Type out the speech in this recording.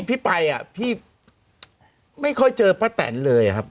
พี่ไปอ่ะพี่ไม่ค่อยเจอป้าแตนเลยครับ